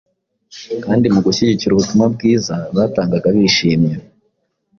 kandi mu gushyigikira ubutumwa bwiza batangaga bishimye.